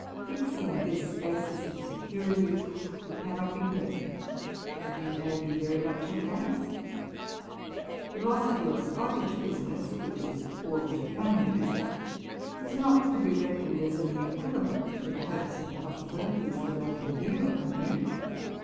Fixing this basis of security, you cannot be hurt, and you may be very much advanced. The loss of your Scottish business, which is all that you can lose, is not to be reckoned as any equivalent to the hopes and possibilities that open here upon you.